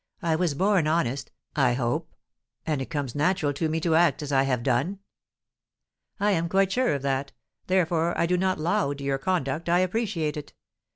I was born honest, I hope, and it comes natural to me to act as I have done." "I am quite sure of that; therefore I do not laud your conduct, I appreciate it.